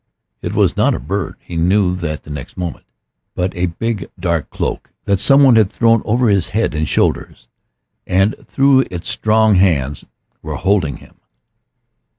It was not a bird he knew that the next moment but a big, dark cloak, that some one had thrown over his head and shoulders, and through it strong hands were holding him.